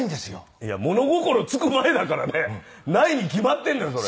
いや物心つく前だからねないに決まってんのよそれ。